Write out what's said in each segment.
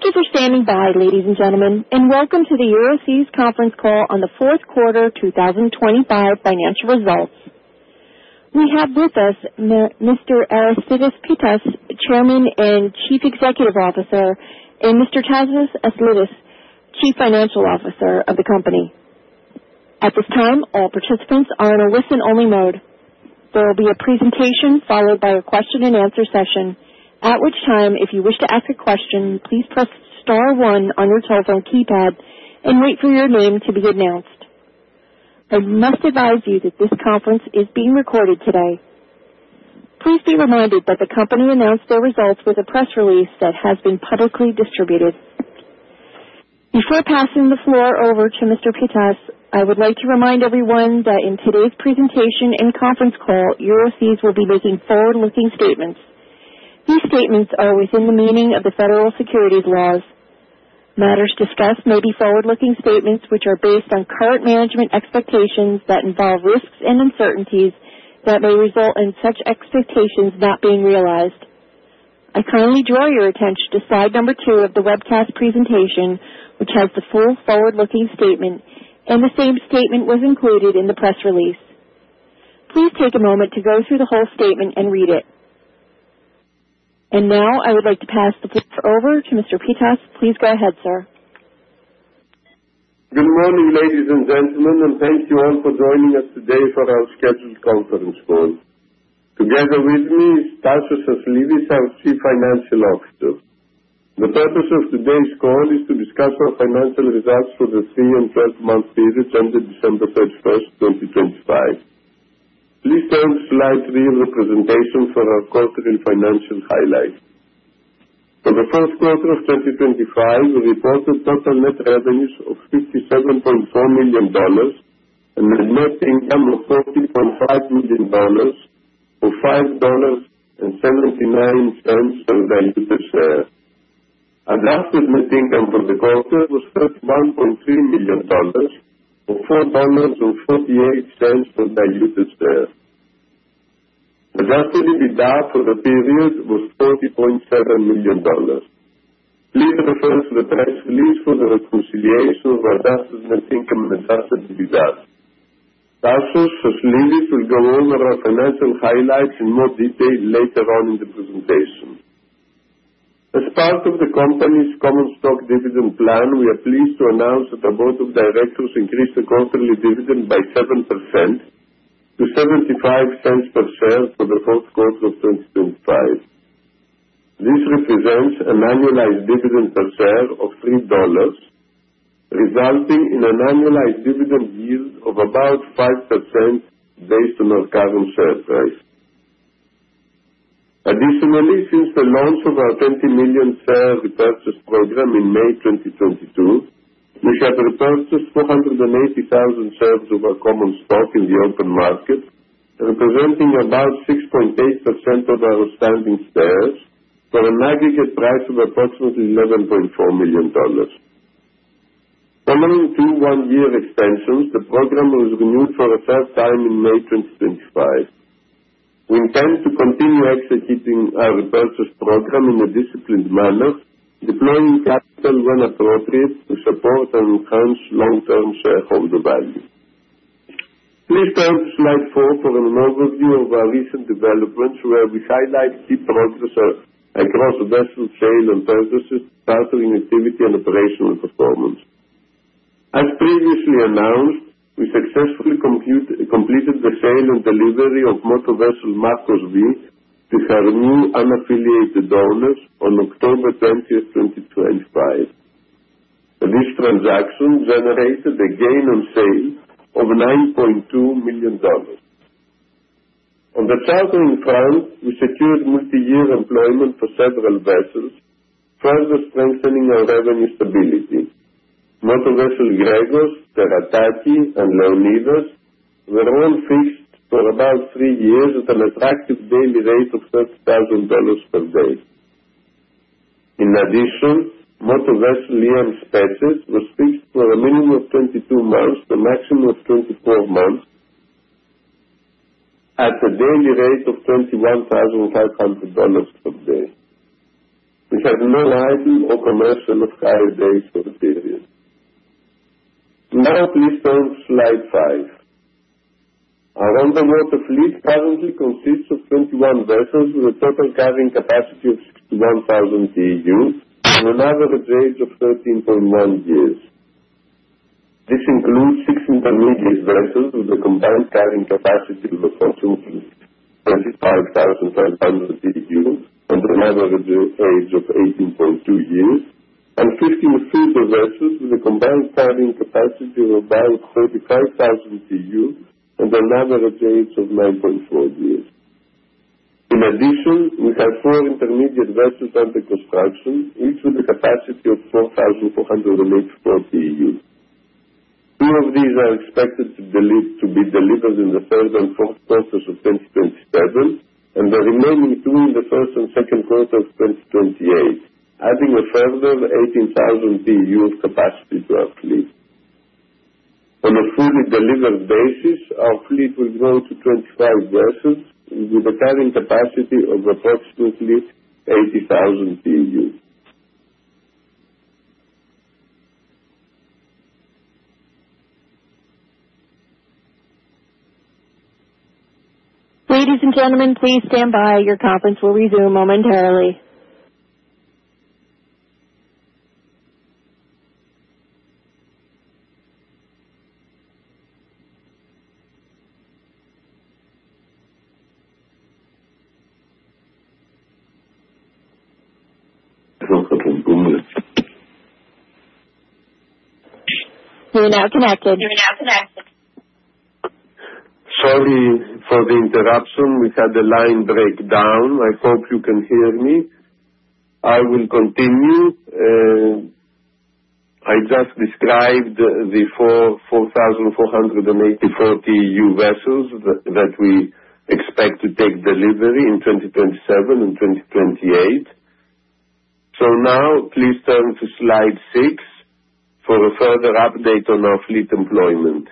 Thank you for standing by, ladies and gentlemen, and welcome to the Euroseas conference call on the fourth quarter 2025 financial results. We have with us Mr. Aristeides Pittas, Chairman and Chief Executive Officer, and Mr. Anastasios Aslidis, Chief Financial Officer of the company. At this time, all participants are in a listen-only mode. There will be a presentation followed by a Q&A session, at which time, if you wish to ask a question, please press star one on your telephone keypad and wait for your name to be announced. I must advise you that this conference is being recorded today. Please be reminded that the company announced their results with a press release that has been publicly distributed. Before passing the floor over to Mr. Pittas, I would like to remind everyone that in today's presentation and conference call, Euroseas will be making forward-looking statements. These statements are within the meaning of the federal securities laws. Matters discussed may be forward-looking statements, which are based on current management expectations that involve risks and uncertainties that may result in such expectations not being realized. I currently draw your attention to slide number 2 of the webcast presentation, which has the full forward-looking statement. The same statement was included in the press release. Please take a moment to go through the whole statement and read it. Now I would like to pass the floor over to Mr. Pitas. Please go ahead, sir. Good morning, ladies and gentlemen, and thank you all for joining us today for our scheduled conference call. Together with me is Anastasios Aslidis, our Chief Financial Officer. The purpose of today's call is to discuss our financial results for the 3 and 12-month period ended December 31, 2025. Please turn to slide 3 of the presentation for our quarterly financial highlights. For the first quarter of 2025, we reported total net revenues of $57.4 million and a net income of $40.5 million, or $5.79 per diluted share. Adjusted net income for the quarter was $31.3 million, or $4.48 per diluted share. Adjusted EBITDA for the period was $40.7 million. Please refer to the press release for the reconciliation of adjusted net income and adjusted EBITDA. Anastasios Aslidis will go over our financial highlights in more detail later on in the presentation. As part of the company's common stock dividend plan, we are pleased to announce that our board of directors increased the quarterly dividend by 7% to $0.75 per share for the fourth quarter of 2025. This represents an annualized dividend per share of $3, resulting in an annualized dividend yield of about 5% based on our current share price. Additionally, since the launch of our 20 million share repurchase program in May 2022, we have repurchased 480,000 shares of our common stock in the open market, representing about 6.8% of our outstanding shares for an aggregate price of approximately $11.4 million. Following two one-year extensions, the program was renewed for a third time in May 2025. We intend to continue executing our repurchase program in a disciplined manner, deploying capital when appropriate to support and enhance long-term shareholder value. Please turn to slide 4 for an overview of our recent developments, where we highlight key progress across vessel sale and purchases, chartering activity, and operational performance. As previously announced, we successfully completed the sale and delivery of motor vessel Marcos V to her new unaffiliated owners on October 20, 2025. This transaction generated a gain on sale of $9.2 million. On the chartering front, we secured multiyear employment for several vessels, further strengthening our revenue stability. Motor vessel Gregos, Terataki and Leonidas were all fixed for about 3 years at an attractive daily rate of $30,000 per day. In addition, motor vessel EM Spetses was fixed for a minimum of 22 months to a maximum of 24 months at a daily rate of $21,500 per day. We have no idle or commercial of hire days for the period. Please turn to slide 5. Our underwater fleet currently consists of 21 vessels with a total carrying capacity of 61,000 TEUs and an average age of 13.1 years. This includes 6 intermediate vessels with a combined carrying capacity of approximately 25,500 TEUs and an average age of 18.2 years, and 15 feeder vessels with a combined carrying capacity of about 35,000 TEUs and an average age of 9.4 years. In addition, we have 4 intermediate vessels under construction, each with a capacity of 4,484 TEUs. Two of these are expected to be delivered in the third and fourth quarters of 2027, and the remaining two in the first and second quarter of 2028, adding a further 18,000 TEU capacity to our fleet. On a fully delivered basis, our fleet will grow to 25 vessels, with a carrying capacity of approximately 80,000 TEU. Ladies and gentlemen, please stand by. Your conference will resume momentarily. You are now connected. Sorry for the interruption. We had a line breakdown. I hope you can hear me. I will continue. I just described the 4,480 TEU vessels that we expect to take delivery in 2027 and 2028. Now please turn to slide 6 for a further update on our fleet employment.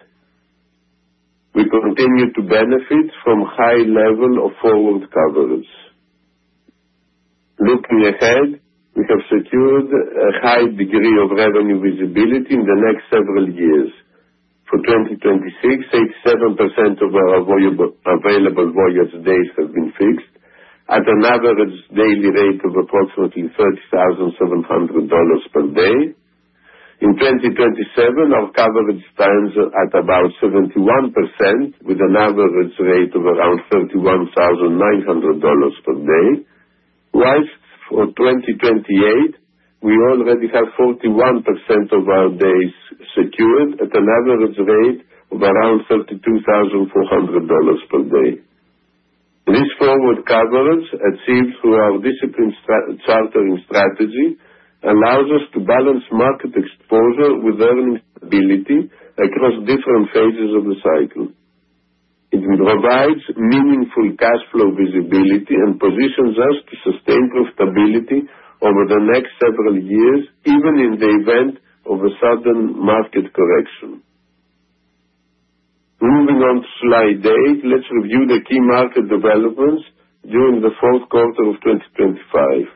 We continue to benefit from high level of forward coverage. Looking ahead, we have secured a high degree of revenue visibility in the next several years. For 2026, 87% of our available voyage days have been fixed at an average daily rate of approximately $30,700 per day. In 2027, our coverage stands at about 71%, with an average rate of around $31,900 per day. For 2028, we already have 41% of our days secured at an average rate of around $32,400 per day. This forward coverage, achieved through our disciplined chartering strategy, allows us to balance market exposure with earning stability across different phases of the cycle. It provides meaningful cash flow visibility and positions us to sustain profitability over the next several years, even in the event of a sudden market correction. Moving on to slide eight, let's review the key market developments during the fourth quarter of 2025.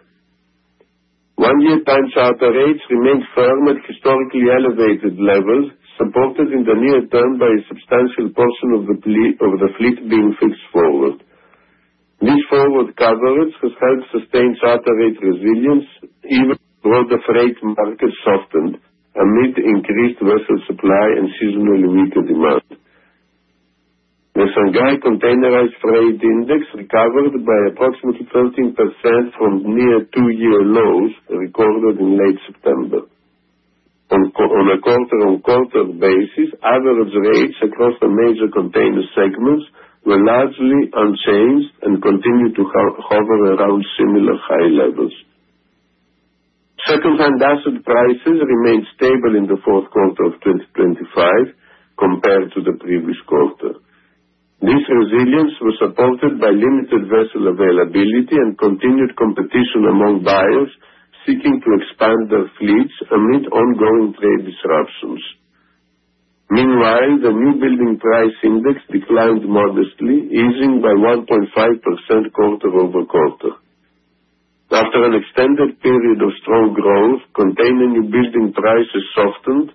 One-year time charter rates remained firm at historically elevated levels, supported in the near term by a substantial portion of the fleet being fixed forward. This forward coverage has helped sustain charter rate resilience, even while the freight market softened amid increased vessel supply and seasonally weaker demand. The Shanghai Containerized Freight Index recovered by approximately 13% from near 2-year lows recorded in late September. On a quarter-on-quarter basis, average rates across the major container segments were largely unchanged and continued to hover around similar high levels. Secondhand asset prices remained stable in the fourth quarter of 2025 compared to the previous quarter. This resilience was supported by limited vessel availability and continued competition among buyers seeking to expand their fleets amid ongoing trade disruptions. Meanwhile, the new building price index declined modestly, easing by 1.5% quarter-over-quarter. After an extended period of strong growth, containing new building prices softened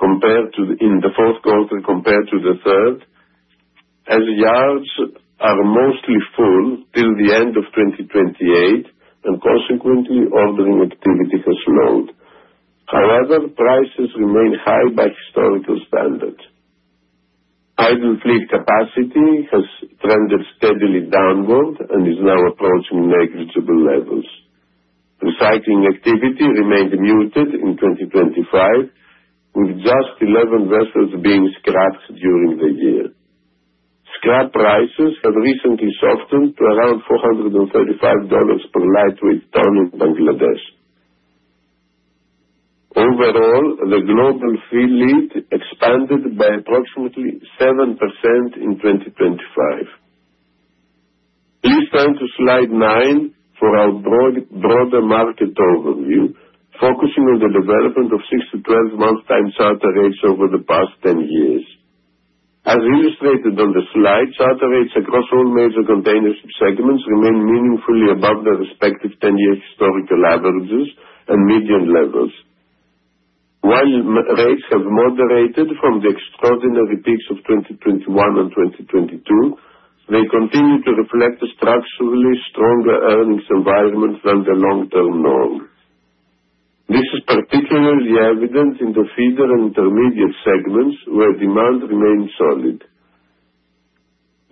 compared to the... in the fourth quarter compared to the third, as yards are mostly full till the end of 2028. Consequently, ordering activity has slowed. However, prices remain high by historical standards. Idle fleet capacity has trended steadily downward and is now approaching negligible levels. Recycling activity remained muted in 2025, with just 11 vessels being scrapped during the year. Scrap prices have recently softened to around $435 per lightweight ton in Bangladesh. Overall, the global fleet expanded by approximately 7% in 2025. Please turn to slide 9 for our broader market overview, focusing on the development of 6-12 month time charter rates over the past 10 years. As illustrated on the slide, charter rates across all major container ship segments remain meaningfully above their respective 10-year historical averages and median levels. While rates have moderated from the extraordinary peaks of 2021 and 2022, they continue to reflect a structurally stronger earnings environment than the long-term norm. This is particularly evident in the feeder and intermediate segments, where demand remains solid.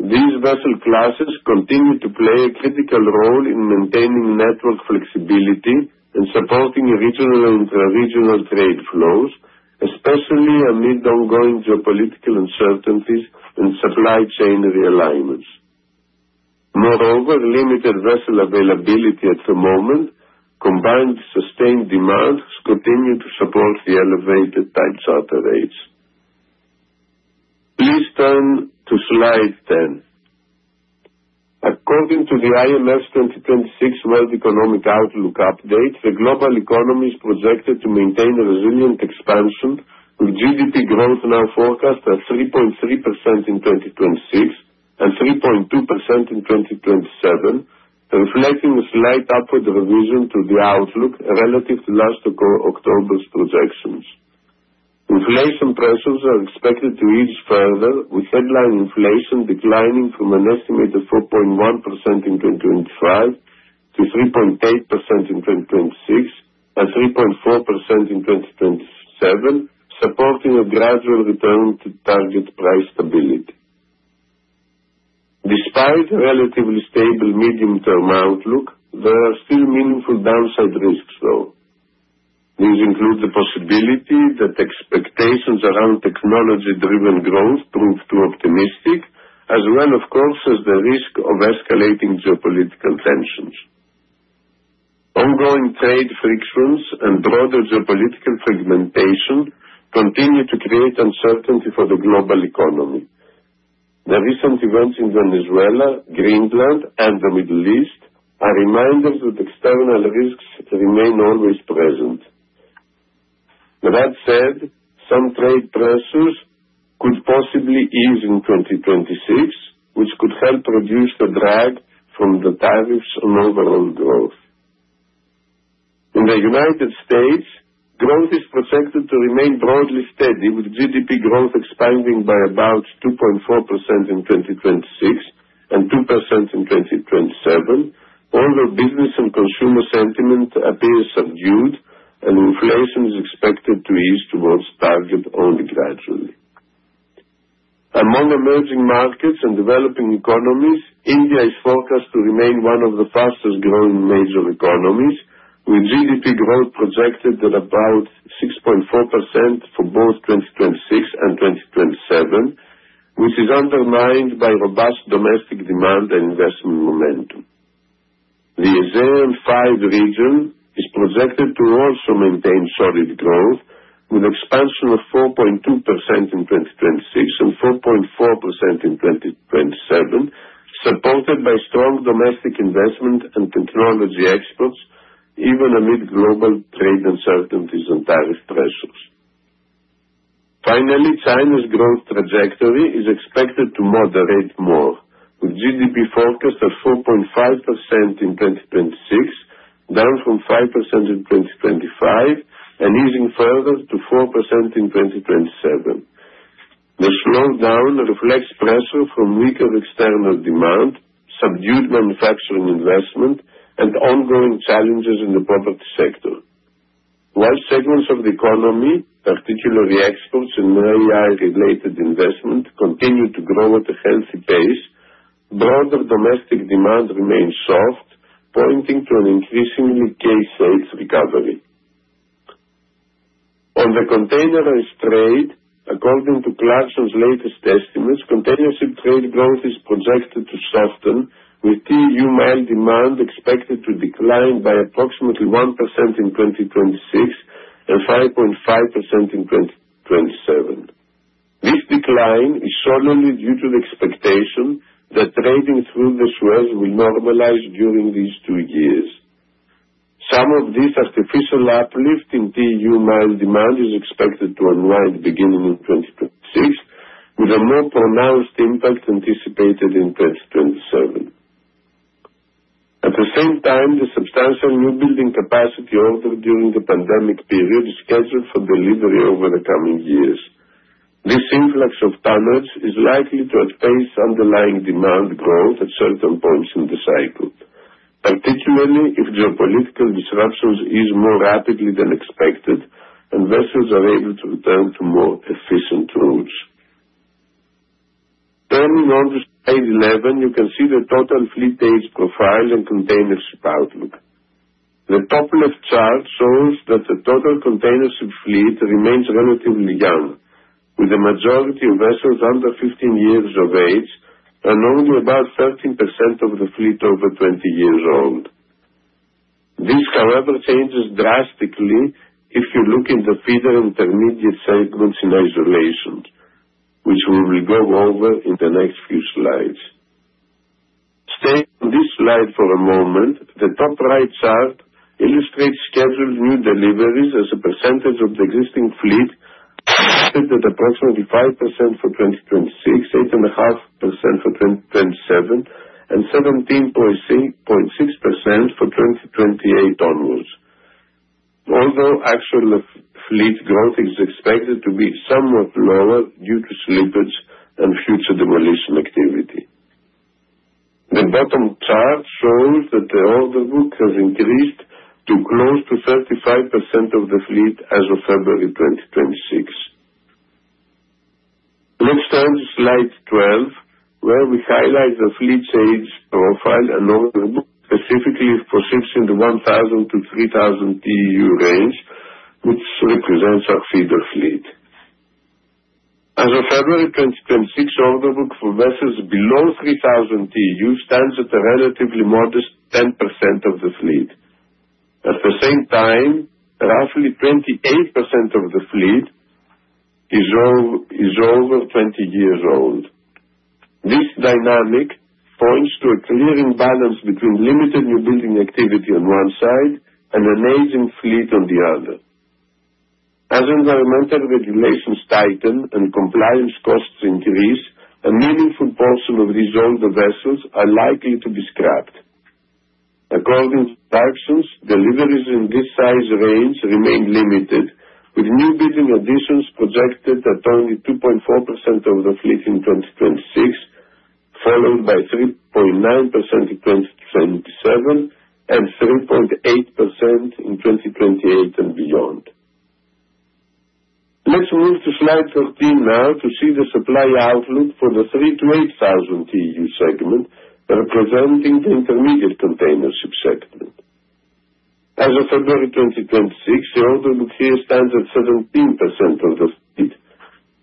These vessel classes continue to play a critical role in maintaining network flexibility and supporting regional and intra-regional trade flows, especially amid ongoing geopolitical uncertainties and supply chain realignments. Moreover, limited vessel availability at the moment, combined with sustained demands, continue to support the elevated time charter rates. According to the IMF's 2026 World Economic Outlook Update, the global economy is projected to maintain a resilient expansion, with GDP growth now forecast at 3.3% in 2026 and 3.2% in 2027, reflecting a slight upward revision to the outlook relative to last October's projections. Inflation pressures are expected to ease further, with headline inflation declining from an estimated 4.1% in 2025 to 3.8% in 2026 and 3.4% in 2027, supporting a gradual return to target price stability. Despite a relatively stable medium-term outlook, there are still meaningful downside risks, though. These include the possibility that expectations around technology-driven growth prove too optimistic, as well as, of course, as the risk of escalating geopolitical tensions. Ongoing trade frictions and broader geopolitical fragmentation continue to create uncertainty for the global economy. The recent events in Venezuela, Greenland, and the Middle East are reminders that external risks remain always present. That said, some trade pressures could possibly ease in 2026, which could help reduce the drag from the tariffs on overall growth. In the United States, growth is projected to remain broadly steady, with GDP growth expanding by about 2.4% in 2026 and 2% in 2027, although business and consumer sentiment appears subdued, and inflation is expected to ease towards target only gradually. Among emerging markets and developing economies, India is forecast to remain one of the fastest growing major economies, with GDP growth projected at about 6.4% for both 2026 and 2027, which is undermined by robust domestic demand and investment momentum. The ASEAN Five region is projected to also maintain solid growth, with expansion of 4.2% in 2026 and 4.4% in 2027, supported by strong domestic investment and technology exports, even amid global trade uncertainties and tariff pressures. Finally, China's growth trajectory is expected to moderate more, with GDP forecast at 4.5% in 2026, down from 5% in 2025, and easing further to 4% in 2027. The slowdown reflects pressure from weaker external demand, subdued manufacturing investment, and ongoing challenges in the property sector. While segments of the economy, particularly exports and AI-related investment, continue to grow at a healthy pace, broader domestic demand remains soft, pointing to an increasingly K-shaped recovery. On the containerized trade, according to Clarksons latest estimates, container ship trade growth is projected to soften, with TEU-mile demand expected to decline by approximately 1% in 2026 and 5.5% in 2027. This decline is solely due to the expectation that trading through the Suez will normalize during these two years. Some of this artificial uplift in TEU-mile demand is expected to unwind beginning in 2026, with a more pronounced impact anticipated in 2027. At the same time, the substantial newbuilding capacity ordered during the pandemic period is scheduled for delivery over the coming years. This influx of panels is likely to outpace underlying demand growth at certain points in the cycle, particularly if geopolitical disruptions ease more rapidly than expected and vessels are able to return to more efficient routes. Turning on to page 11, you can see the total fleet age profile and container ship outlook. The top left chart shows that the total container ship fleet remains relatively young, with the majority of vessels under 15 years of age and only about 13% of the fleet over 20 years old. This, however, changes drastically if you look into feeder intermediate segments in isolation, which we will go over in the next few slides. Staying on this slide for a moment, the top right chart illustrates scheduled new deliveries as a percentage of the existing fleet, at approximately 5% for 2026, 8.5% for 2027, and 17.6% for 2028 onwards. Although actual fleet growth is expected to be somewhat lower due to slippage and future demolition activity. The bottom chart shows that the order book has increased to close to 35% of the fleet as of February 2026. Next slide 12, where we highlight the fleet's age profile and order book, specifically for ships in the 1,000 to 3,000 TEU range, which represents our feeder fleet. As of February 2026, order book for vessels below 3,000 TEU stands at a relatively modest 10% of the fleet. At the same time, roughly 28% of the fleet is over 20 years old. This dynamic points to a clearing balance between limited new building activity on one side and an aging fleet on the other. As environmental regulations tighten and compliance costs increase, a meaningful portion of these older vessels are likely to be scrapped. According to directions, deliveries in this size range remain limited, with new building additions projected at only 2.4% of the fleet in 2026, followed by 3.9% in 2027, and 3.8% in 2028 and beyond. Let's move to slide 13 now to see the supply outlook for the 3,000-8,000 TEU segment, representing the intermediate containership segment. As of February 2026, the order book here stands at 17% of the fleet,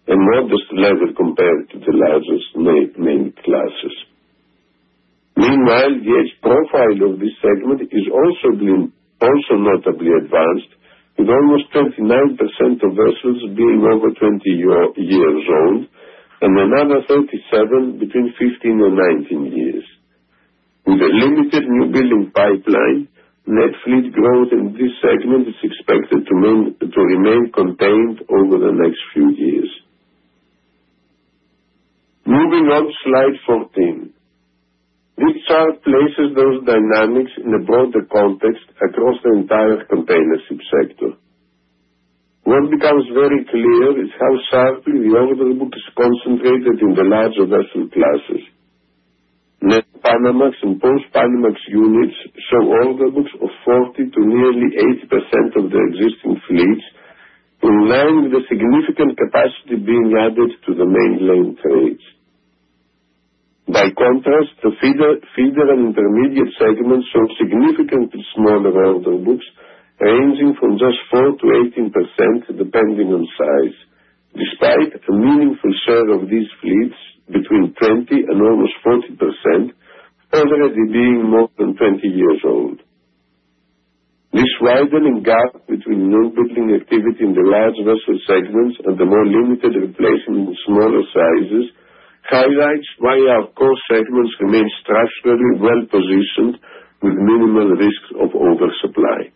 a modest level compared to the largest main classes. The age profile of this segment is also notably advanced, with almost 39% of vessels being over 20 years old, and another 37 between 15 and 19 years. With a limited new building pipeline, net fleet growth in this segment is expected to remain contained over the next few years. Slide 14. This chart places those dynamics in a broader context across the entire containership sector. What becomes very clear is how sharply the order book is concentrated in the larger vessel classes. New Panamax and Post-Panamax units show order books of 40% to nearly 80% of their existing fleets, aligned with the significant capacity being added to the main lane trades. By contrast, the feeder and intermediate segments show significantly smaller order books ranging from just 4% to 18%, depending on size, despite a meaningful share of these fleets between 20% and almost 40% already being more than 20 years old. This widening gap between new building activity in the large vessel segments and the more limited replacement in smaller sizes highlights why our core segments remain structurally well-positioned with minimal risks of oversupply.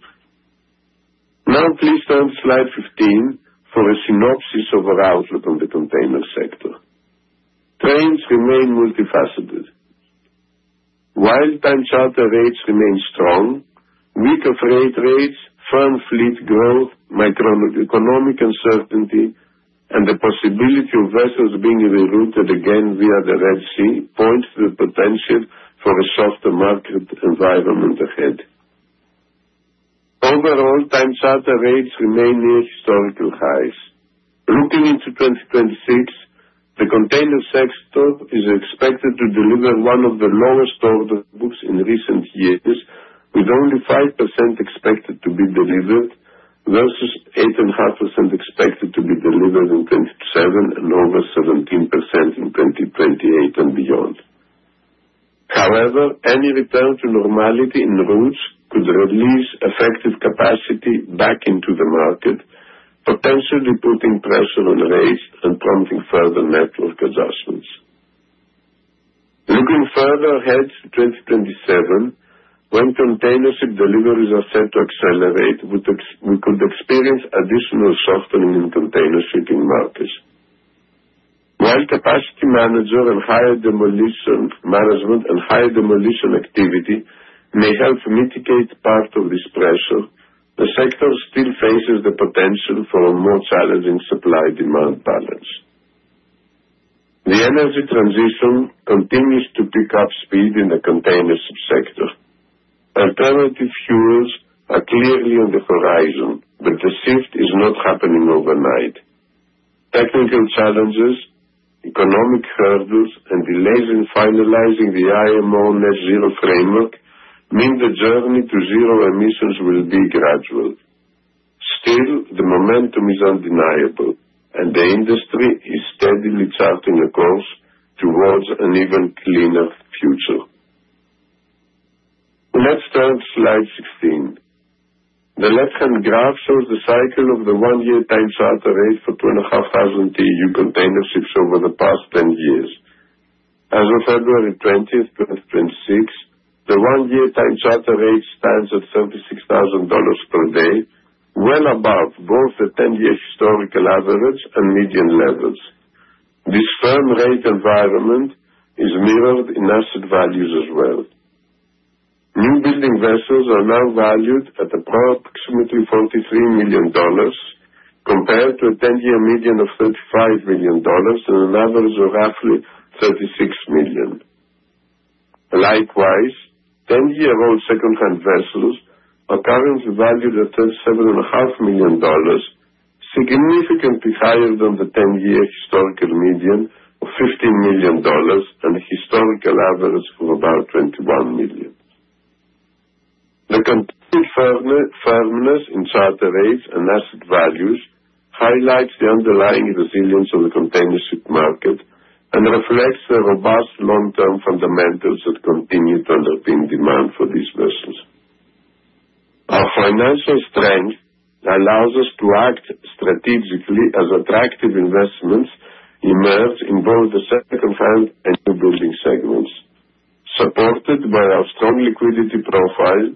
Please turn to slide 15 for a synopsis of our outlook on the container sector. Trends remain multifaceted. While time charter rates remain strong, week of rate rates, firm fleet growth, microeconomic uncertainty, and the possibility of vessels being rerouted again via the Red Sea, points to the potential for a softer market environment ahead. Overall, time charter rates remain near historical highs. Looking into 2026, the container sector is expected to deliver one of the lowest order books in recent years, with only 5% expected to be delivered, versus 8.5% expected to be delivered in 2027 and over 17% in 2028 and beyond. However, any return to normality in routes could release effective capacity back into the market, potentially putting pressure on rates and prompting further network adjustments. Looking further ahead to 2027, when container ship deliveries are set to accelerate, we could experience additional softening in container shipping markets. While capacity manager and higher demolition management and higher demolition activity may help mitigate part of this pressure, the sector still faces the potential for a more challenging supply-demand balance. The energy transition continues to pick up speed in the container ship sector. Alternative fuels are clearly on the horizon, but the shift is not happening overnight. Technical challenges, economic hurdles, and delays in finalizing the IMO Net-Zero Framework mean the journey to zero emissions will be gradual. Still, the momentum is undeniable, and the industry is steadily charting a course towards an even cleaner future. Let's turn to slide 16. The left-hand graph shows the cycle of the one-year time charter rate for 2,500 TEU container ships over the past 10 years. As of February 20, 2026, the one-year time charter rate stands at $36,000 per day, well above both the 10-year historical average and median levels. This firm rate environment is mirrored in asset values as well. New building vessels are now valued at approximately $43 million, compared to a 10-year median of $35 million and an average of roughly $36 million. Likewise, 10-year-old secondhand vessels are currently valued at thirty-seven and a half million dollars, significantly higher than the 10-year historical median of $15 million, and a historical average of about $21 million. The continued firmness in charter rates and asset values highlights the underlying resilience of the container ship market and reflects the robust long-term fundamentals that continue to underpin demand for these vessels. financial strength allows us to act strategically as attractive investments emerge in both the second hand and new building segments. Supported by our strong liquidity profile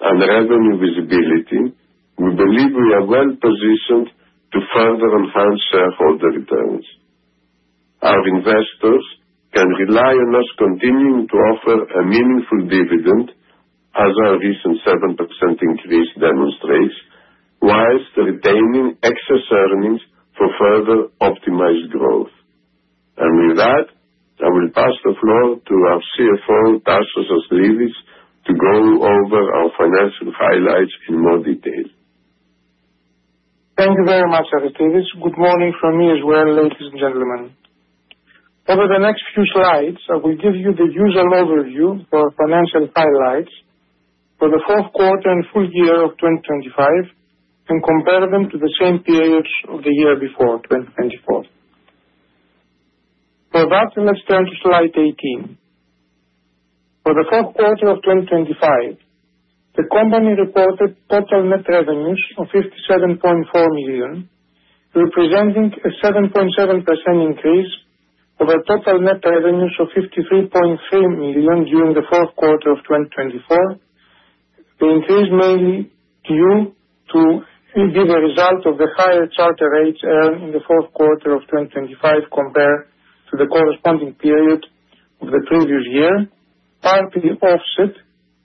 and revenue visibility, we believe we are well positioned to further enhance shareholder returns. Our investors can rely on us continuing to offer a meaningful dividend, as our recent 7% increase demonstrates, whilst retaining excess earnings for further optimized growth. With that, I will pass the floor to our CFO, Anastasios Aslidis, to go over our financial highlights in more detail. Thank you very much, Aristidis. Good morning from me as well, ladies and gentlemen. Over the next few slides, I will give you the usual overview for our financial highlights for the fourth quarter and full year of 2025, compare them to the same periods of the year before, 2024. For that, let's turn to slide 18. For the fourth quarter of 2025, the company reported total net revenues of $57.4 million, representing a 7.7% increase over total net revenues of $53.3 million during the fourth quarter of 2024. The increase mainly due to be the result of the higher charter rates in the fourth quarter of 2025, compared to the corresponding period of the previous year, partly offset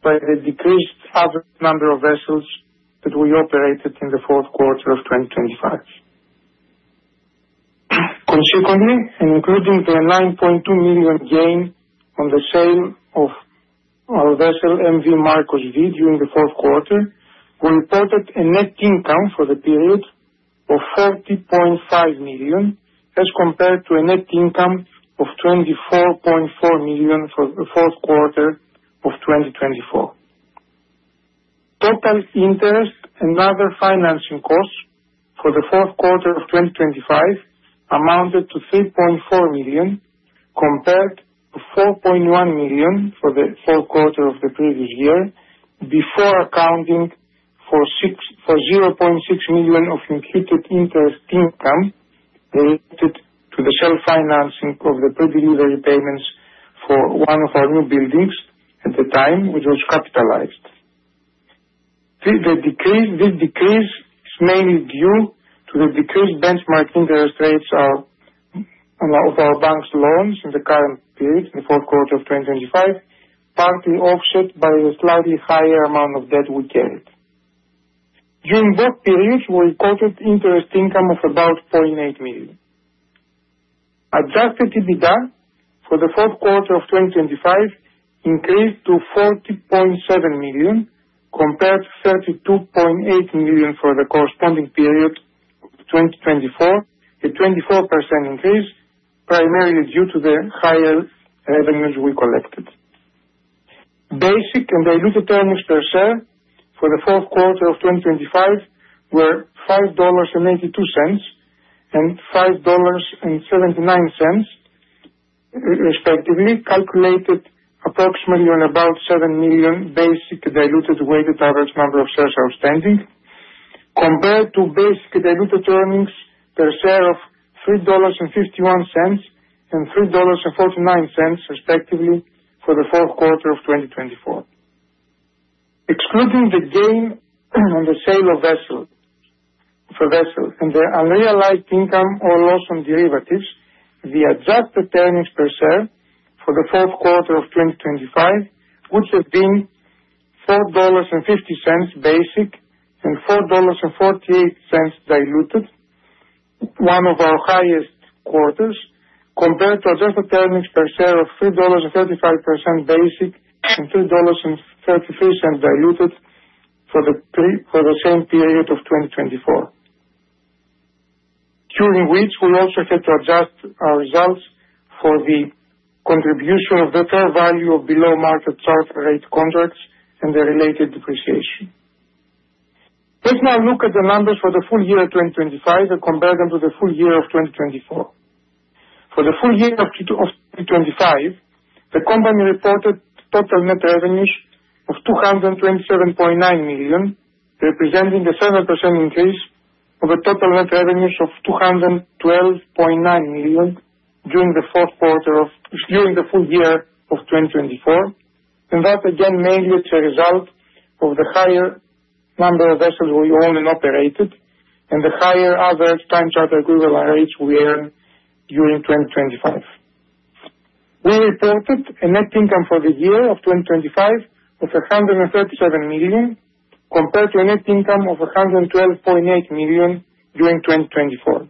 by the decreased average number of vessels that we operated in the fourth quarter of 2025. Consequently, including the $9.2 million gain on the sale of our vessel, MV Marcos V, during the fourth quarter, we reported a net income for the period of $30.5 million, as compared to a net income of $24.4 million for the fourth quarter of 2024. Total interest and other financing costs for the fourth quarter of 2025 amounted to $3.4 million, compared to $4.1 million for the fourth quarter of the previous year, before accounting for $0.6 million of imputed interest income related to the self-financing of the pre-delivery payments for one of our new buildings at the time, which was capitalized. The decrease, this decrease is mainly due to the decreased benchmark interest rates of our bank's loans in the current period, in the fourth quarter of 2025, partly offset by the slightly higher amount of debt we carried. During both periods, we recorded interest income of about $0.8 million. Adjusted EBITDA for the fourth quarter of 2025 increased to $30.7 million, compared to $32.8 million for the corresponding period, 2024. A 24% increase, primarily due to the higher revenues we collected. Basic and diluted earnings per share for the fourth quarter of 2025 were $5.82 and $5.79, respectively, calculated approximately on about 7 million basic diluted weighted average number of shares outstanding, compared to basic diluted earnings per share of $3.51 and $3.49, respectively, for the fourth quarter of 2024. Excluding the gain on the sale of vessels and the unrealized income or loss on derivatives, the adjusted earnings per share for the fourth quarter of 2025, which have been $4.50 basic and $4.48 diluted, one of our highest quarters, compared to adjusted earnings per share of $3.35 basic and $3.33 diluted for the same period of 2024. During which we also had to adjust our results for the contribution of the fair value of below market charter rate contracts and the related depreciation. Let's now look at the numbers for the full year 2025 and compare them to the full year of 2024. For the full year of 2025, the company reported total net revenues of $227.9 million, representing a 7% increase over total net revenues of $212.9 million during the full year of 2024. That again, mainly is a result of the higher number of vessels we owned and operated, and the higher other Time Charter Equivalent rates we earned during 2025. We reported a net income for the year of 2025 of $137 million, compared to a net income of $112.8 million during 2024.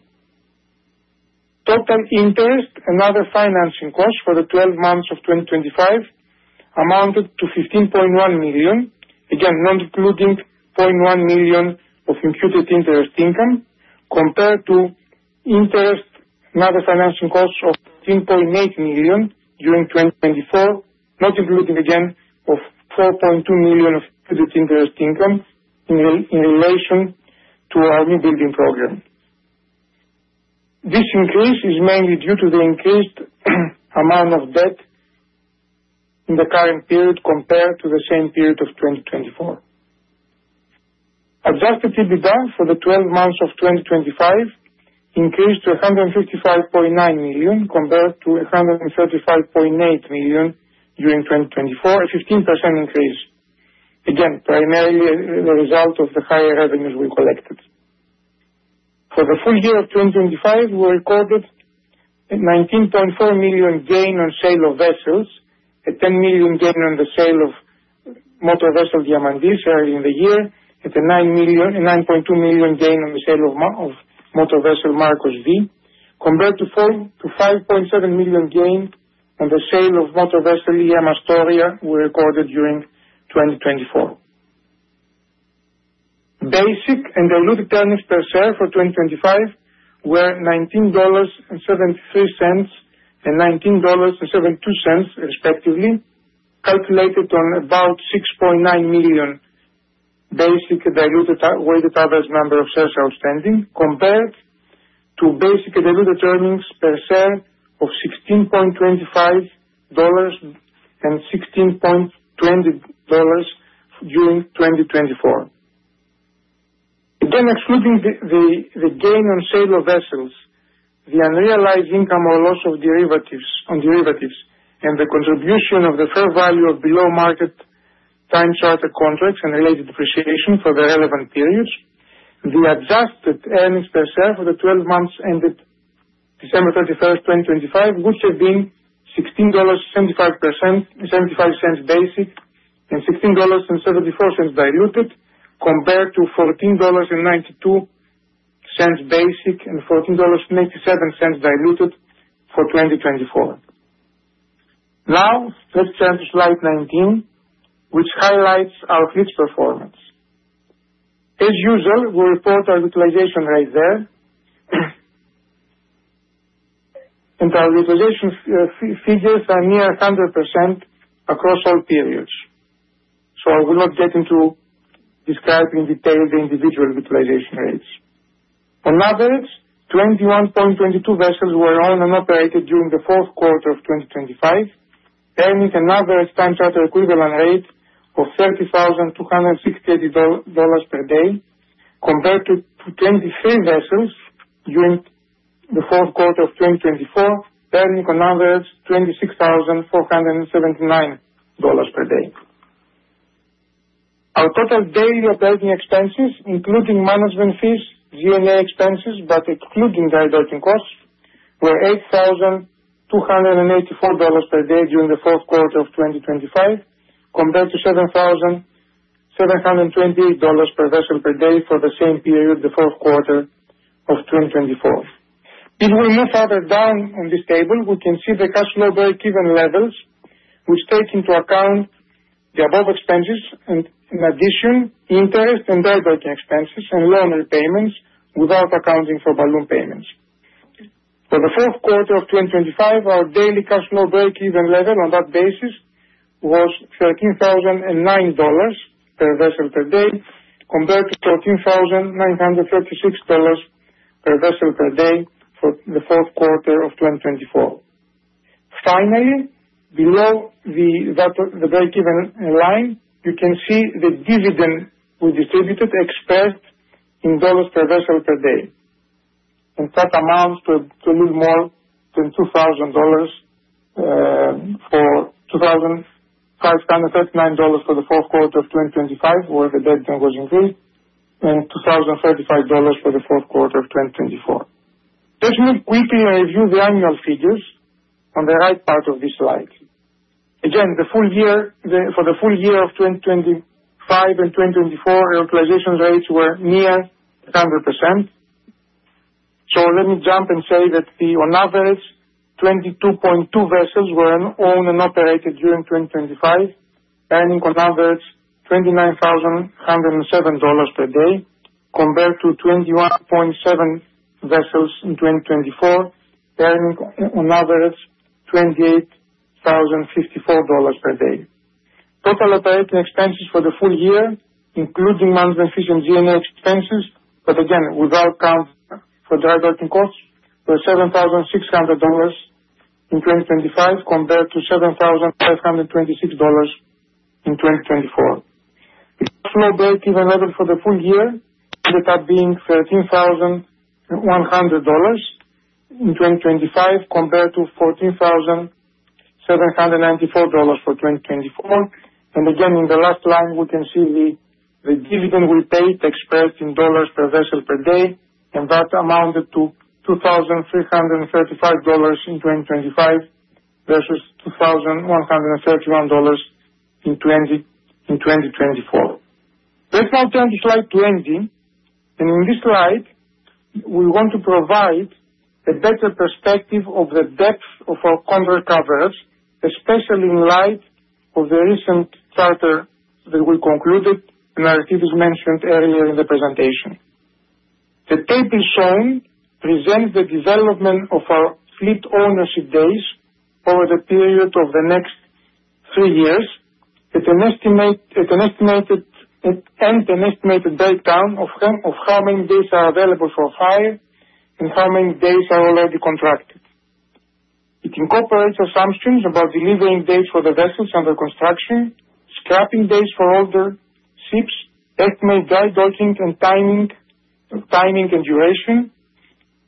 Total interest and other financing costs for the 12 months of 2025 amounted to $15.1 million, again, not including $0.1 million of imputed interest income, compared to interest and other financing costs of $3.8 million during 2024, not including again, of $4.2 million of imputed interest income, in relation to our new building program. This increase is mainly due to the increased amount of debt in the current period, compared to the same period of 2024. Adjusted EBITDA for the 12 months of 2025 increased to $155.9 million, compared to $135.8 million during 2024, a 15% increase. Primarily a result of the higher revenues we collected. For the full year of 2025, we recorded a $19.4 million gain on sale of vessels, a $10 million gain on the sale of motor vessel Diamantis P early in the year, and a $9.2 million gain on the sale of motor vessel Marcos V, compared to a $5.7 million gain on the sale of M/V Aegean Mastori, we recorded during 2024. Basic and diluted earnings per share for 2025 were $19.73, and $19.72 respectively, calculated on about 6.9 million basic and diluted weighted average number of shares outstanding, compared to basic and diluted earnings per share of $16.25 and $16.20 during 2024. Excluding the gain on sale of vessels, the unrealized income or loss of derivatives, on derivatives, and the contribution of the fair value of below market time charter contracts and related depreciation for the relevant periods, the adjusted earnings per share for the 12 months ended December 31st, 2025, would have been $16, 75%, and $0.75 basic, and $16.74 diluted, compared to $14.92 basic, and $14.97 diluted for 2024. Let's turn to slide 19, which highlights our fleet performance. As usual, we report our utilization rate there, and our utilization figures are near 100% across all periods, so I will not get into describing in detail the individual utilization rates. On average, 21.22 vessels were owned and operated during the fourth quarter of 2025, earning another Time Charter Equivalent rate of $30,268 per day, compared to 23 vessels during the fourth quarter of 2024, earning on average $26,479 per day. Our total daily operating expenses, including management fees, G&A expenses, but excluding dry docking costs, were $8,284 per day during the fourth quarter of 2025, compared to $7,720 per vessel per day for the same period, the fourth quarter of 2024. We move further down on this table, we can see the cash flow break-even levels, which takes into account the above expenses, and in addition, interest and dry docking expenses, and loan repayments, without accounting for balloon payments. For the fourth quarter of 2025, our daily cash flow break-even level on that basis was $13,009 per vessel per day, compared to $13,936 per vessel per day for the fourth quarter of 2024. Finally, below the break-even line, you can see the dividend we distributed, expressed in dollars per vessel per day. That amounts to little more than $2,000 for $2,539 for the fourth quarter of 2025, where the dividend was increased, and $2,035 for the fourth quarter of 2024. Let me quickly review the annual figures on the right part of this slide. Again, the full year, for the full year of 2025 and 2024, our utilization rates were near 100%. Let me jump and say that on average, 22.2 vessels were owned and operated during 2025, earning on average $29,107 per day, compared to 21.7 vessels in 2024, earning on average $28,054 per day. Total operating expenses for the full year, including management fees and G&A expenses, but again, without accounting for dry docking costs, were $7,600 in 2025, compared to $7,526 in 2024. Cash flow break-even level for the full year ended up being $13,100 in 2025, compared to $14,794 for 2024. Again, in the last line, we can see the dividend we paid, expressed in dollars per vessel per day, and that amounted to $2,335 in 2025, versus $2,131 in 2024. Let's now turn to slide 20. In this slide, we want to provide a better perspective of the depth of our contract coverage, especially in light of the recent charter that we concluded, and Aris has mentioned earlier in the presentation. The table shown presents the development of our fleet ownership days over the period of the next three years with an estimated breakdown of how many days are available for hire and how many days are already contracted. It incorporates assumptions about delivering days for the vessels under construction, scrapping days for older ships, estimated dry docking and timing and duration,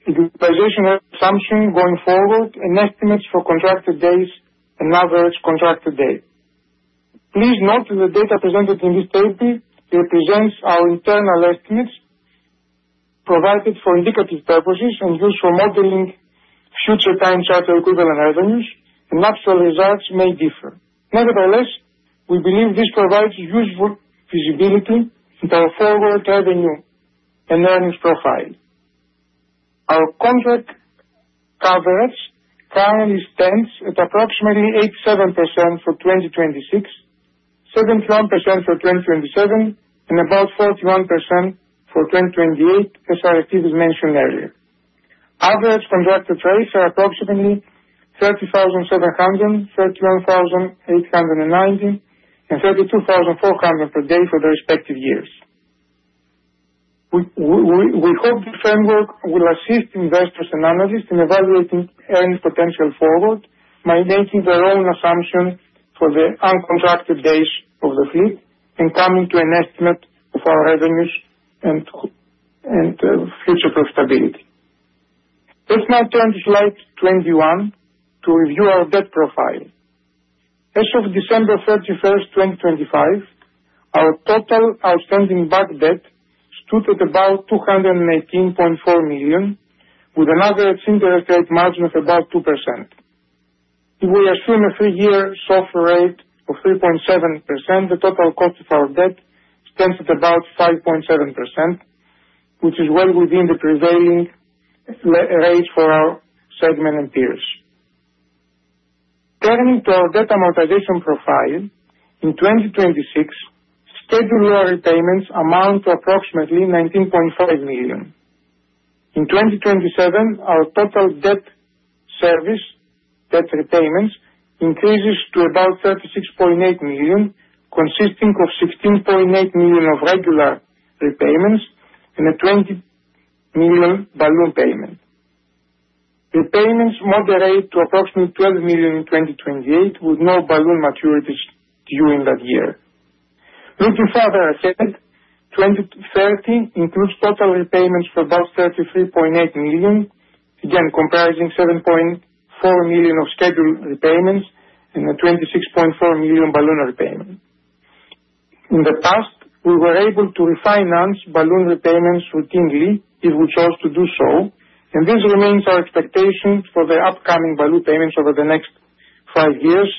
utilization assumption going forward, and estimates for contracted days and average contracted day. Please note that the data presented in this table represents our internal estimates provided for indicative purposes and used for modeling future Time Charter Equivalent revenues, and actual results may differ. Nevertheless, we believe this provides useful visibility into our forward revenue and earnings profile. Our contract coverage currently stands at approximately 87% for 2026, 71% for 2027, and about 41% for 2028, as Aristides mentioned earlier. Average contracted rates are approximately $30,700, $31,890, and $32,400 per day for the respective years. We hope the framework will assist investors and analysts in evaluating any potential forward by making their own assumption for the uncontracted days of the fleet and coming to an estimate of our revenues and future profitability. Let's now turn to slide 21 to review our debt profile. As of December 31, 2025, our total outstanding bond debt stood at about $218.4 million, with an average interest rate margin of about 2%. If we assume a 3-year SOFR rate of 3.7%, the total cost of our debt stands at about 5.7%, which is well within the prevailing range for our segment and peers. Turning to our debt amortization profile, in 2026, scheduled loan repayments amount to approximately $19.5 million. In 2027, our total debt service, debt repayments, increases to about $36.8 million, consisting of $16.8 million of regular repayments and a $20 million balloon payment. Repayments moderate to approximately $12 million in 2028, with no balloon maturities during that year. Looking further ahead, 2030 includes total repayments for about $33.8 million, again, comprising $7.4 million of scheduled repayments and a $26.4 million balloon repayment. In the past, we were able to refinance balloon repayments routinely if we chose to do so, and this remains our expectation for the upcoming balloon payments over the next five years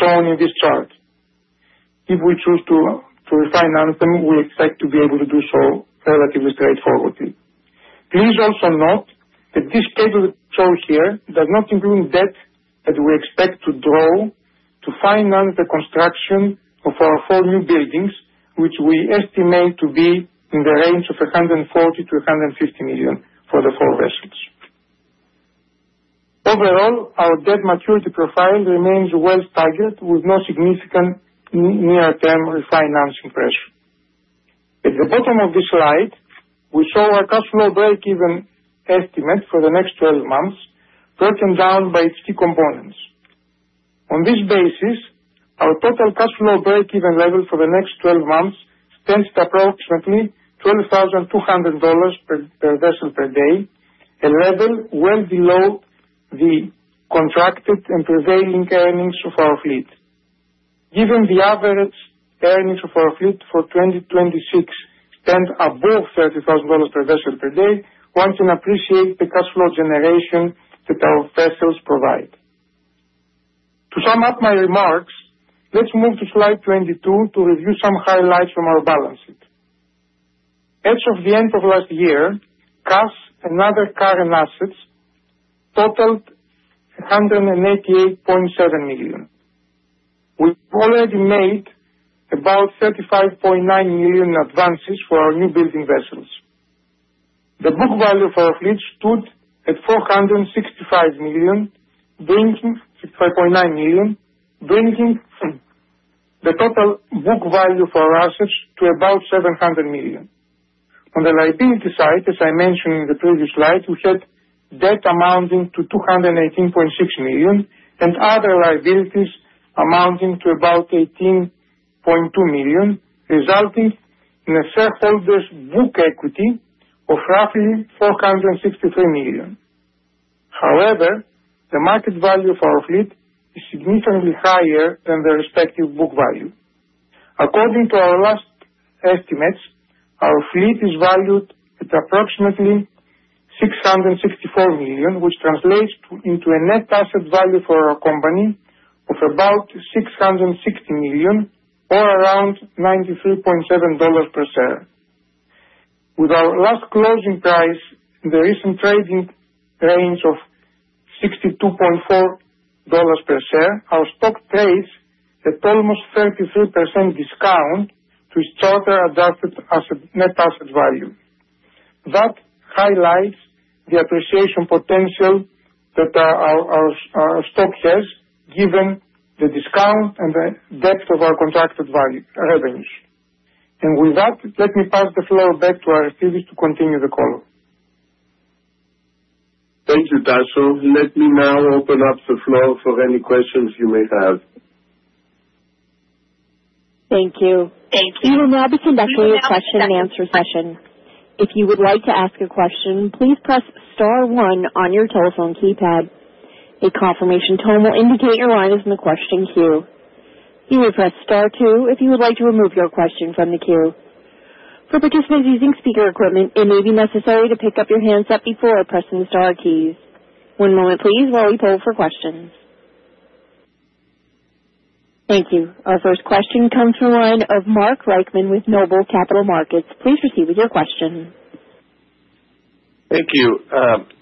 shown in this chart. If we choose to refinance them, we expect to be able to do so relatively straightforwardly. Please also note that this table shown here does not include debt that we expect to draw to finance the construction of our four new buildings, which we estimate to be in the range of $140 million-$150 million for the four vessels. Overall, our debt maturity profile remains well targeted, with no significant near-term refinancing pressure. At the bottom of this slide, we show our cash flow breakeven estimates for the next 12 months, broken down by its key components. On this basis, our total cash flow breakeven level for the next 12 months stands at approximately $12,200 per vessel per day, a level well below the contracted and prevailing earnings of our fleet. Given the average earnings of our fleet for 2026 stand above $30,000 per vessel per day, one can appreciate the cash flow generation that our vessels provide. To sum up my remarks, let's move to slide 22 to review some highlights from our balance sheet. As of the end of last year, cash and other current assets totaled $188.7 million. We've already made about $35.9 million advances for our new building vessels. The book value for our fleet stood at $465 million, $6.9 million, bringing the total book value for our assets to about $700 million. On the liability side, as I mentioned in the previous slide, we had debt amounting to $218.6 million, and other liabilities amounting to about $18.2 million, resulting in a shareholders' book equity of roughly $463 million. However, the market value of our fleet is significantly higher than the respective book value. According to our last estimates, our fleet is valued at approximately $664 million, which translates into a net asset value for our company of about $660 million, or around $93.7 per share. With our last closing price in the recent trading range of $62.4 per share, our stock trades at almost 33% discount to its charter-adjusted asset, net asset value. That highlights the appreciation potential that our stock has, given the discount and the depth of our contracted value revenues. With that, let me pass the floor back to Aristeidis to continue the call. Thank you, Anastasios. Let me now open up the floor for any questions you may have. Thank you. Thank you. We will now be conducting a question and answer session. If you would like to ask a question, please press star one on your telephone keypad. A confirmation tone will indicate your line is in the question queue. You may press star two if you would like to remove your question from the queue. For participants using speaker equipment, it may be necessary to pick up your handset before pressing the star keys. One moment please while we poll for questions. Thank you. Our first question comes from the line of Mark Reichman with Noble Capital Markets. Please proceed with your question. Thank you.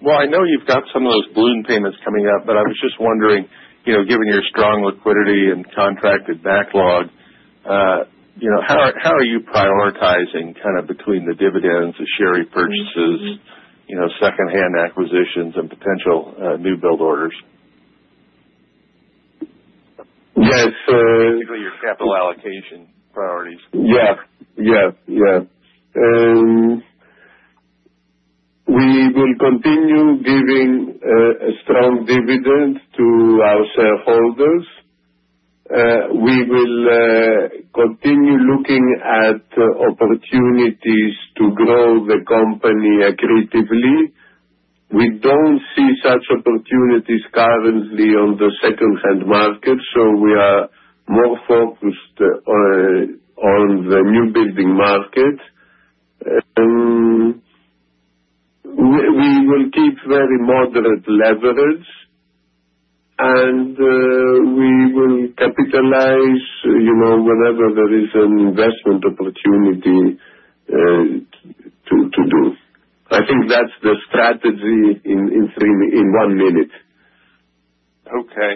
Well, I know you've got some of those balloon payments coming up, I was just wondering, you know, given your strong liquidity and contracted backlog, you know, how are you prioritizing kind of between the dividends, the share repurchases?, secondhand acquisitions and potential, new build orders? Yes. Basically, your capital allocation priorities. We will continue giving a strong dividend to our shareholders. We will continue looking at opportunities to grow the company aggressively. We don't see such opportunities currently on the secondhand market, We are more focused on the new building market. We will keep very moderate leverage, and we will capitalize, whenever there is an investment opportunity to do. I think that's the strategy in three, in one minute. Okay.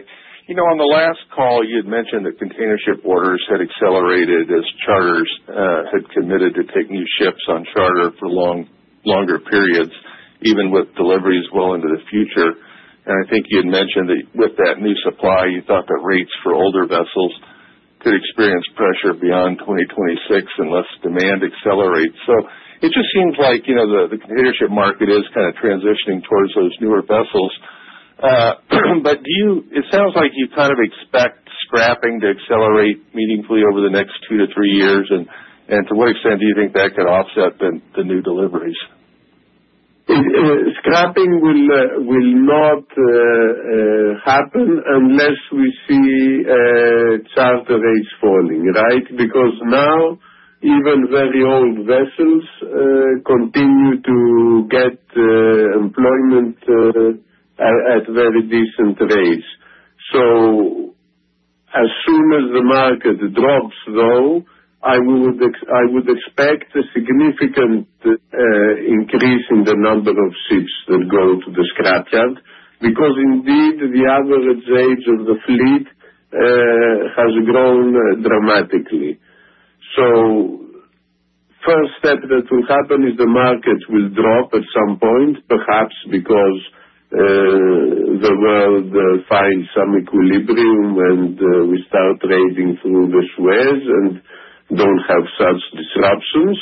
On the last call, you had mentioned that container ship orders had accelerated as charters had committed to take new ships on charter for longer periods, even with deliveries well into the future. I think you had mentioned that with that new supply, you thought that rates for older vessels could experience pressure beyond 2026 unless demand accelerates. It just seems like, you know, the container ship market is kind of transitioning towards those newer vessels. It sounds like you kind of expect scrapping to accelerate meaningfully over the next two to three years. To what extent do you think that could offset the new deliveries? It, scrapping will not, happen unless we see, charter rates falling, right? Because now, even very old vessels, continue to get, employment, at very decent rates. As soon as the market drops, though, I would expect a significant, increase in the number of ships that go to the scrapyard. Because indeed, the average age of the fleet, has grown dramatically. First step that will happen is the market will drop at some point, perhaps because, the world, finds some equilibrium, and, we start trading through the Suez and don't have such disruptions.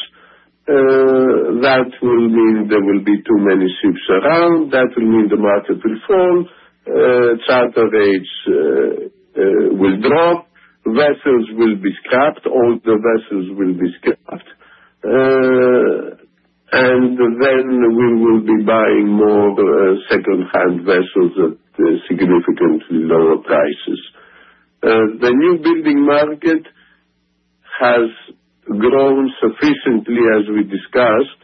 That will mean there will be too many ships around. That will mean the market will fall, charter rates, will drop, vessels will be scrapped, older vessels will be scrapped. We will be buying more secondhand vessels at significantly lower prices. The new building market has grown sufficiently, as we discussed,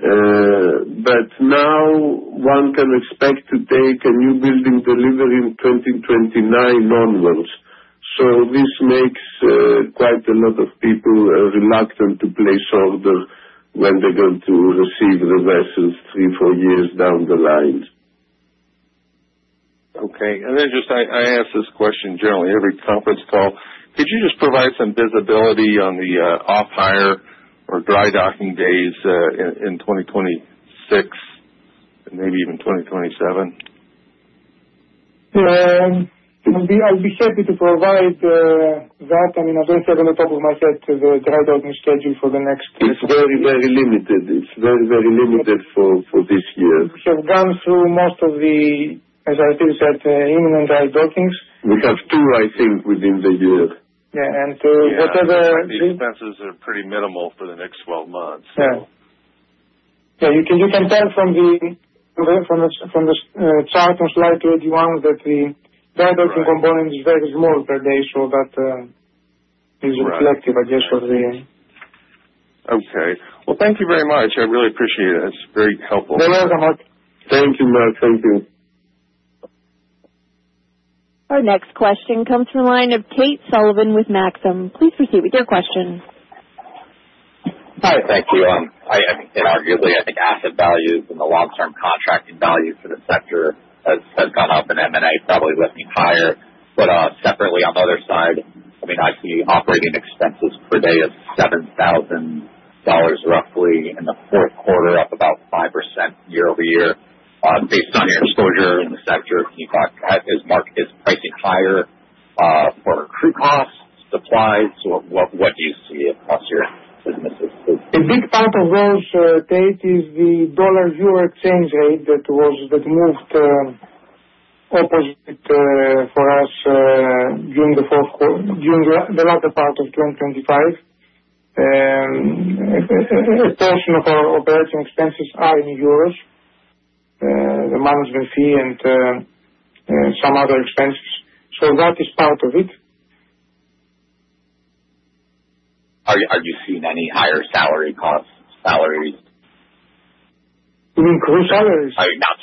one can expect to take a new building delivery in 2029 onwards. This makes quite a lot of people reluctant to place orders when they're going to receive the vessels 3, 4 years down the line. Okay. Then just I ask this question generally every conference call: Could you just provide some visibility on the off hire or dry docking days in 2026 and maybe even 2027? I'll be happy to provide that. I mean, I don't have it on the top of my head, the dry docking strategy for the next-. It's very, very limited. It's very, very limited for this year. We have gone through most of the, as Aristeidis said, human and dry dockings. We have two, I think, within the year. The expenses are pretty minimal for the next 12 months. Yeah. Yeah, you can tell from the chart on slide 21, that the dry dockingcomponent is very small per day, so that is reflective, I guess, of the... Well, thank you very much. I really appreciate it. That's very helpful. No, no. Thank you, Mark. Thank you. Our next question comes from the line of Tate Sullivan with Maxim. Please proceed with your question. Hi. Thank you. Inarguably, I think asset values and the long-term contracting value for the sector has gone up, and M&A probably with me higher. Separately, I mean, I see operating expenses per day of $7,000 roughly in the fourth quarter, up about 5% year-over-year. Based on your disclosure in the sector, do you think that has marked as pricing higher, for crew costs, supplies? What do you see across your businesses? A big part of those, Tate, is the dollar-euro exchange rate that was, that moved opposite for us during the fourth, during the latter part of 2025. A portion of our operating expenses are in euros, the management fee and some other expenses. That is part of it. Are you seeing any higher salary costs, salaries? You mean crew salaries?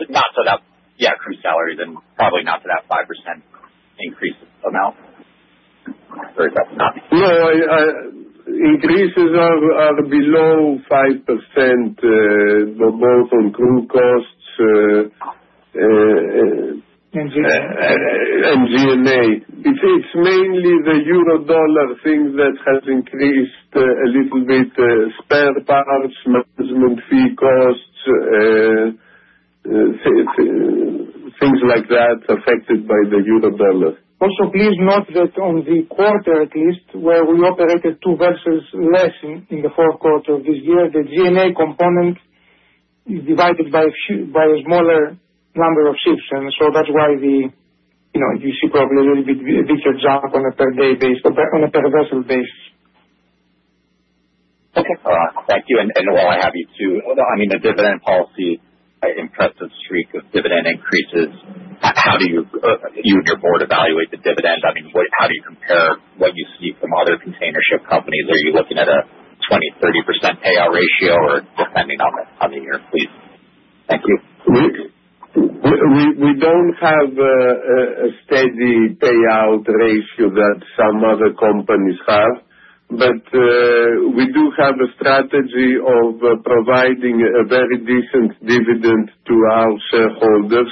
Not to that... Yeah, crew salaries, Probably not to that 5% increase amount. Yeah, increases are below 5%, both on crew costs. G&A. It's mainly the euro/dollar thing that has increased a little bit, spare parts, management fee costs, things like that affected by the euro/dollar. Also, please note that on the quarter at least, where we operated two vessels less in the fourth quarter of this year, the G&A component is divided by a smaller number of ships. That's why we, you know, you see probably a little bit bigger jump on a per-day basis or on a per-vessel base. Okay, thank you. While I have you, too, although, I mean, the dividend policy, an impressive streak of dividend increases. How do you and your board evaluate the dividend? I mean, how do you compare what you see from other container ship companies? Are you looking at a 20%, 30% payout ratio, or depending on the year, please? Thank you. We don't have a steady payout ratio that some other companies have. We do have a strategy of providing a very decent dividend to our shareholders.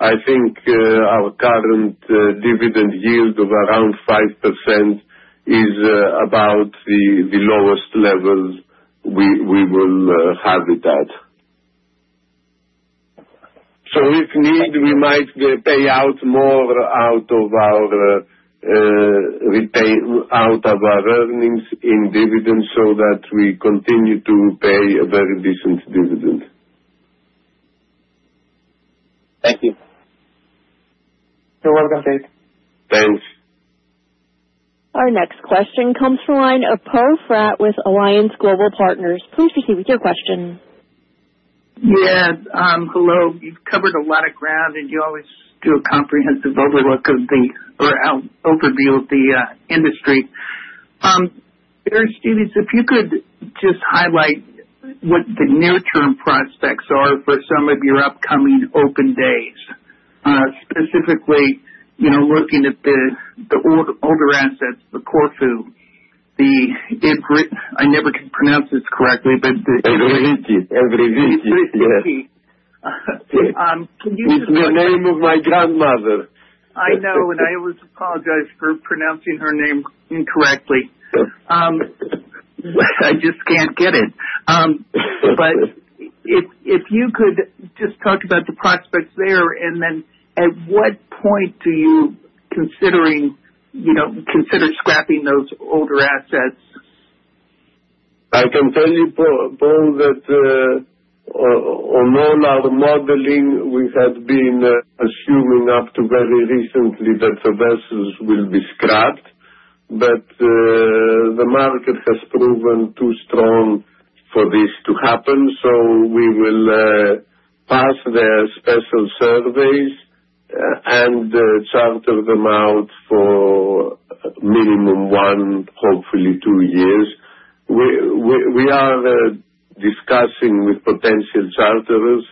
I think our current dividend yield of around 5% is about the lowest level we will have it at. If need, we might pay out more out of our earnings in dividends so that we continue to pay a very decent dividend. Thank you. You're welcome, Tate. Thanks. Our next question comes from the line of Poe Fratt with Alliance Global Partners. Please proceed with your question. Yeah. Hello. You've covered a lot of ground, and you always do a comprehensive overlook of the or out- overview of the industry. Dear Stelios, if you could just highlight what the near-term prospects are for some of your upcoming open days? Specifically, you know, looking at the older assets, the Corfu, the Evr- I never can pronounce this correctly, but the- Evridiki G. Evridiki G. It's the name of my grandmother. I know, and I always apologize for pronouncing her name incorrectly. I just can't get it. If you could just talk about the prospects there, and then at what point do you considering, you know, consider scrapping those older assets? I can tell you Poe, that on all our modeling, we had been assuming up to very recently that the vessels will be scrapped. The market has proven too strong for this to happen, so we will pass their special surveys and charter them out for minimum one, hopefully two years. We are discussing with potential charterers,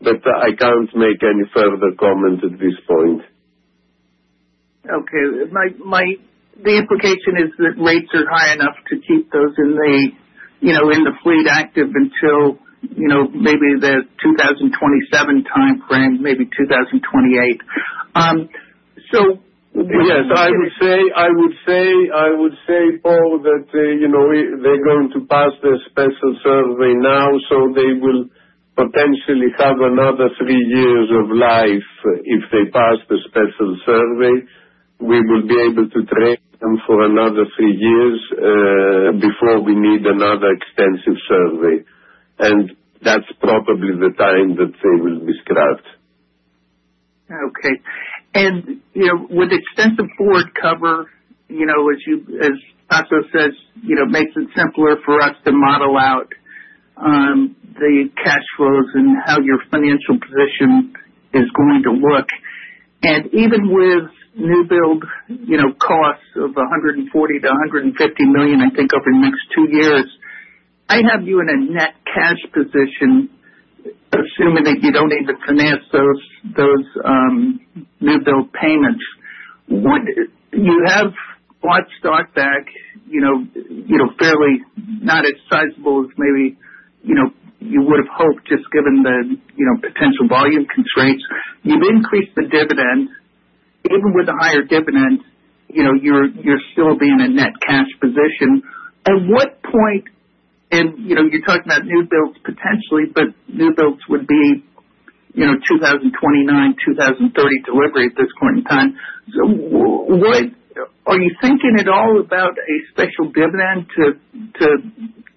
but I can't make any further comments at this point. Okay. The implication is that rates are high enough to keep those in the, you know, in the fleet active until, you know, maybe the 2027 time frame, maybe 2028. Yes, I would say, Poe, that, you know, they're going to pass the special survey now. They will potentially have another 3 years of life. If they pass the special survey, we will be able to trade them for another 3 years, before we need another extensive survey. That's probably the time that they will be scrapped. Okay. You know, with extensive board cover, as Anastasios says, you know, makes it simpler for us to model out the cash flows and how your financial position is going to look. Even with new build, costs of $140 million-$150 million, I think, over the next 2 years, I have you in a net cash position, assuming that you don't need to finance those new build payments. Would you have bought stock back fairly, not as sizable as maybe you would have hoped, just given the, you know, potential volume constraints, you've increased the dividend. Even with the higher dividend you're still being a net cash position. At what point, you know, you're talking about new builds potentially, but new builds would be, 2029 and 2030 delivery at this point in time. What are you thinking at all about a special dividend to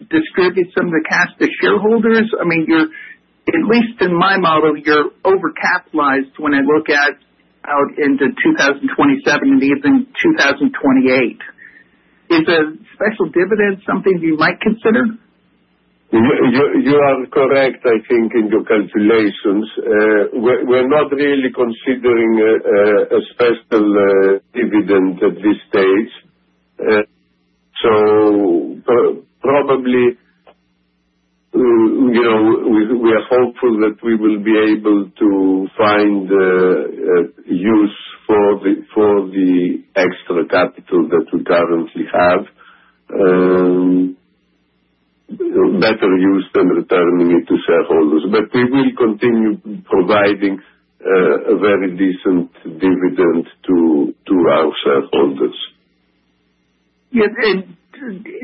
distribute some of the cash to shareholders? I mean, you're, at least in my model, you're over-capitalized when I look at out into 2027 and even 2028. Is a special dividend something you might consider? You are correct, I think, in your calculations. We're not really considering a special dividend at this stage. Probably, you know, we are hopeful that we will be able to find a use for the extra capital that we currently have, better use than returning it to shareholders. We will continue providing a very decent dividend to our shareholders. Yes,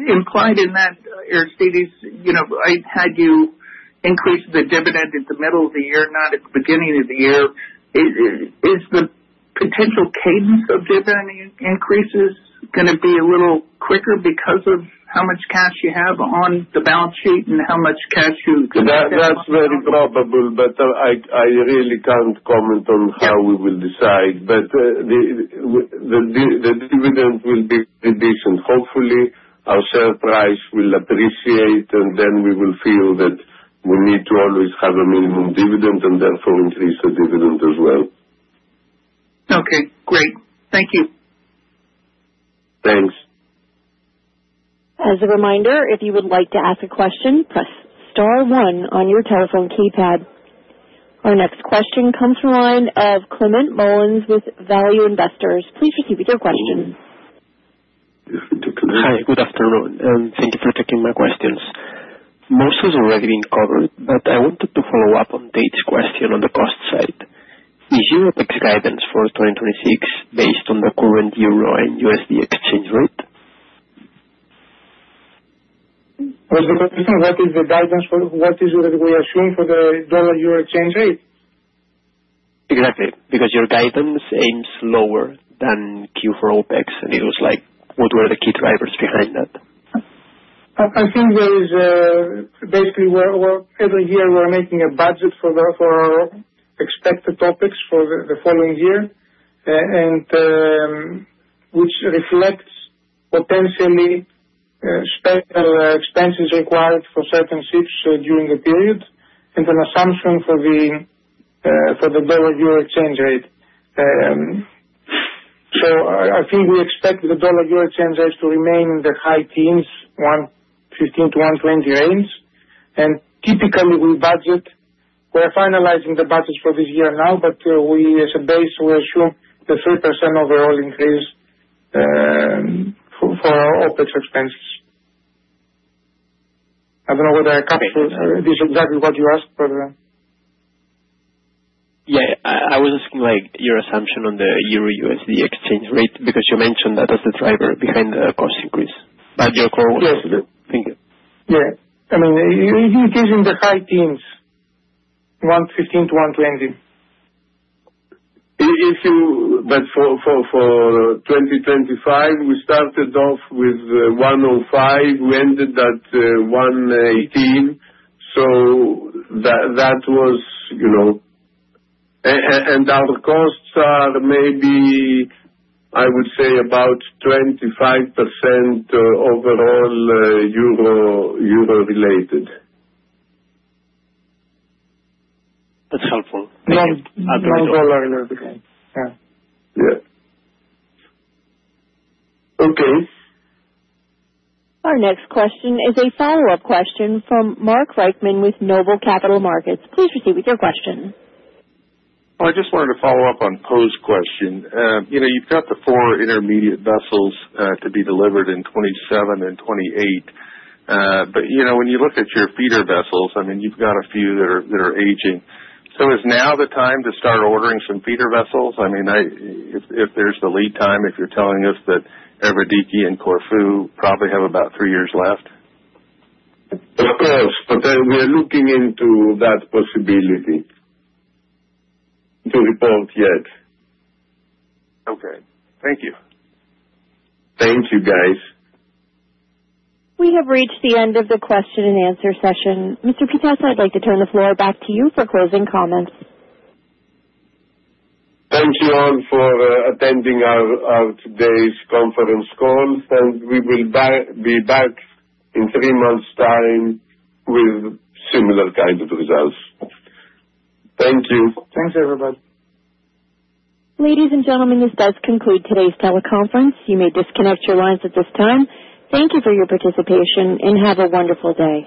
implied in that, Aristeidis, you I had you increase the dividend in the middle of the year, not at the beginning of the year. Is the potential cadence of dividend increases gonna be a little quicker because of how much cash you have on the balance sheet and how much cash? That's very probable, but I really can't comment on how we will decide. The dividend will be decent. Hopefully, our share price will appreciate, and then we will feel that we need to always have a minimum dividend and therefore increase the dividend as well. Okay, great. Thank you. Thanks. As a reminder, if you would like to ask a question, press star one on your telephone keypad. Our next question comes from the line of Climent Molin with Value Investors Edge. Please proceed with your question. Hi, good afternoon, thank you for taking my questions. Most has already been covered, I wanted to follow up on Dave's question on the cost side. Is your guidance for 2026 based on the current euro and U.S. dollar exchange rate? What is it that we are assuming for the dollar-euro exchange rate? Exactly. Your guidance aims lower than Q4 OpEx, and it was like, what were the key drivers behind that? I think there is basically every year we're making a budget for our expected topics for the following year. and which reflects potentially special expenses required for certain ships during the period, and an assumption for the dollar-euro exchange rate. I think we expect the dollar-euro exchange rate to remain in the high teens, 1.15-1.20 range. Typically, we're finalizing the budget for this year now, but we as a base, we assume the 3% overall increase for our OpEx expenses. I don't know whether I covered this exactly what you asked, but. Yeah. I was asking, like, your assumption on the EUR-USD exchange rate, because you mentioned that as the driver behind the cost increase, but your. Yeah. I mean, it is in the high teens, 115-120. If you for 2025, we started off with 105. We ended at 118. That was, you know. Our costs are maybe, I would say, about 25% overall, euro-related. That's helpful. Thank you. Non-dollar related. Yeah. Yeah. Okay. Our next question is a follow-up question from Mark Reichman with Noble Capital Markets. Please proceed with your question. I just wanted to follow up on Poe's question. You know, you've got the 4 intermediate vessels, to be delivered in 2027 and 2028. You know, when you look at your feeder vessels, I mean, you've got a few that are aging. Is now the time to start ordering some feeder vessels? I mean, If there's the lead time, if you're telling us that Evridiki and Corfu probably have about 3 years left. Of course. We are looking into that possibility. To report yet. Okay. Thank you. Thank you, guys. We have reached the end of the question and answer session. Mr. Pittas, I'd like to turn the floor back to you for closing comments. Thank you all for attending our today's conference call. We will be back in 3 months' time with similar kind of results. Thank you. Thanks, everybody. Ladies and gentlemen, this does conclude today's teleconference. You may disconnect your lines at this time. Thank you for your participation, and have a wonderful day.